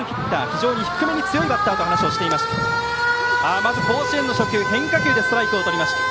非常に低めに強いバッターだと話をしていました。